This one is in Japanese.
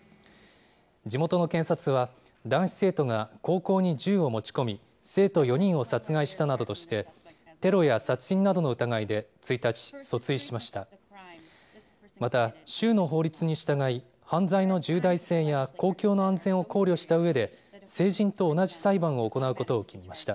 地元の検察は、男子生徒が高校に銃を持ち込み、生徒４人を殺害したなどとして、テロや殺人などの疑いで１日、訴追しました。